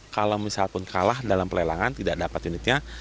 kalau misal pun kalah dalam pelelangan tidak dapat unitnya